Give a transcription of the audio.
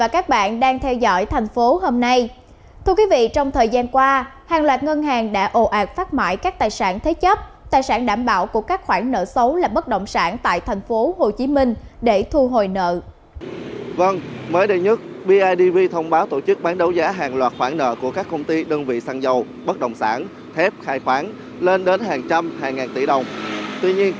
các bạn hãy đăng ký kênh để ủng hộ kênh của chúng mình nhé